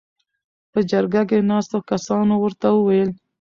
.په جرګه کې ناستو کسانو ورته ووېل: